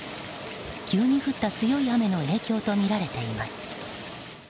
急に降った強い雨の影響とみられています。